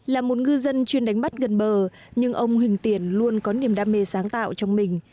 là một ngư dân chuyên đánh bắt gần bờ nhưng ông hình tiển luôn có niềm đam mê sáng tạo trong mình